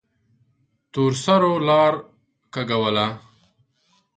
تورسرو لار کږوله.